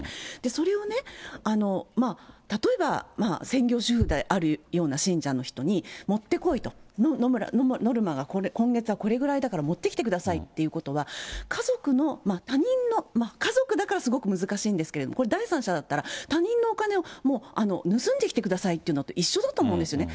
それを例えば、専業主婦であるような信者の人に、持ってこいと、ノルマが今月はこれぐらいだから持ってきてくださいということは、家族の、他人の、家族だからすごく難しいんですけれども、これ、第三者だったら他人のお金をもう、盗んできてくださいって言うのと一緒だと思うんですよね。